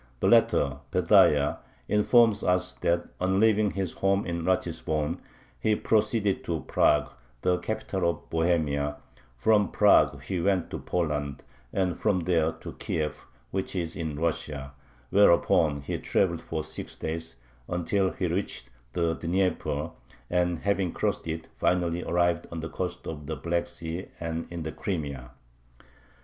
The latter, Pethahiah, informs us that, on leaving his home in Ratisbon, he proceeded to Prague, the capital of Bohemia; from Prague he went to Poland, and from there "to Kiev, which is in Russia," whereupon he traveled for six days, until he reached the Dnieper, and, having crossed it, finally arrived on the coast of the Black Sea and in the Crimea.